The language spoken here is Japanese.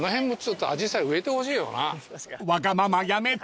［わがままやめて］